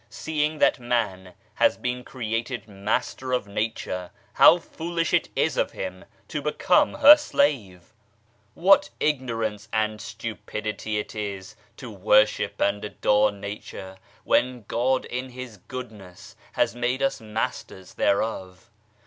Seeing that man has been created master of Nature, how foolish it is of him to become her slave I What ignorance and stupidity it is to worship and adore Nature, when God in His goodness has made us masters thereof.